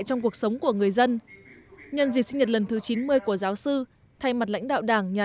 trong cuộc sống của người dân nhân dịp sinh nhật lần thứ chín mươi của giáo sư thay mặt lãnh đạo đảng nhà